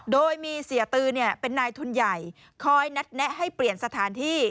โดยมีเสียตือเป็นนายทุนใหญ่คอยนัดแนะให้เปลี่ยนสถานที่